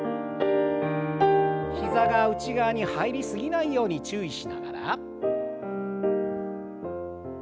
膝が内側に入り過ぎないように注意しながら。